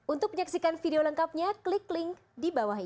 untuk menyaksikan video lengkapnya klik link di bawah ini